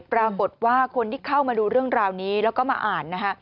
ปรากฏว่าคนที่เข้ามาดูเรื่องราวนี้แล้วก็มาอ่านนะฮะ